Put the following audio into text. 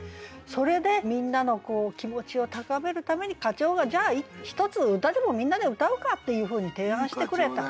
それでみんなの気持ちを高めるために課長が「じゃあひとつ歌でもみんなで歌うか」っていうふうに提案してくれた。